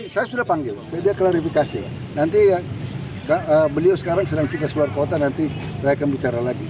saya sudah panggil saya dia klarifikasi nanti beliau sekarang sedang tugas luar kota nanti saya akan bicara lagi